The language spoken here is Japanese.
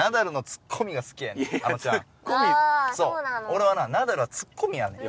俺はなナダルはツッコミやねん。